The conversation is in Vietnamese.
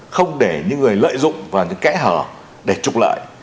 không để những người lợi dụng và những kẻ hở để trục lợi